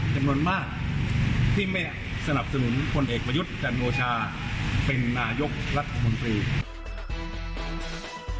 จำนวนมากที่ไม่สนับสนุนพลเอกประยุทธ์จันโอชาเป็นนายกรัฐมนตรี